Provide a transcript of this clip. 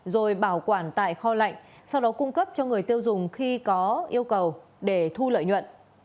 rồi bảo quản tại kho lạnh sau đó cung cấp cho người tiêu dùng khi có yêu cầu để thu lợi nhuận